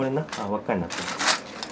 輪っかになってるやつ。